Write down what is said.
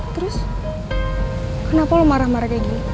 terus kenapa lo marah marah kayak gini